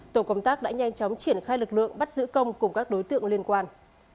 tổ công tác đã nhanh chóng triển khai lực lượng bắt giữ công cùng các đối tượng liên quan